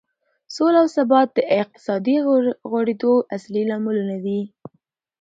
سوله او ثبات د اقتصادي غوړېدو اصلي لاملونه دي.